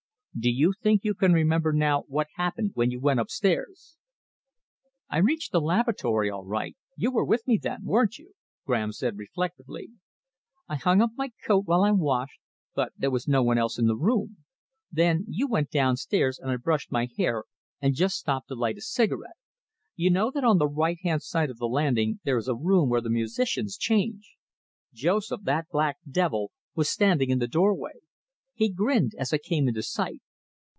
"Do you think you can remember now what happened when you went upstairs?" "I reached the lavatory all right you were with me then, weren't you?" Graham said reflectively. "I hung up my coat while I washed, but there was no one else in the room. Then you went downstairs and I brushed my hair and just stopped to light a cigarette. You know that on the right hand side of the landing there is a room where the musicians change. Joseph, that black devil, was standing in the doorway. He grinned as I came into sight.